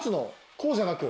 こうじゃなく？